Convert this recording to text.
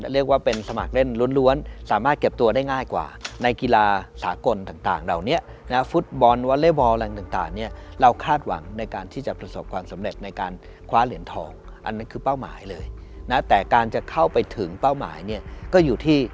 คืออย่างนี้ในแต่ละกีฬาเนี่ย